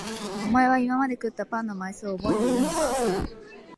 おまえは今まで食ったパンの枚数をおぼえているのか？